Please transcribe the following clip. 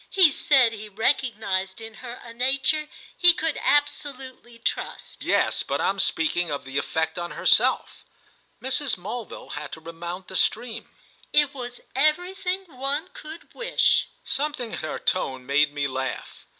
"He said he recognised in her a nature he could absolutely trust." "Yes, but I'm speaking of the effect on herself." Mrs. Mulville had to remount the stream. "It was everything one could wish." Something in her tone made me laugh.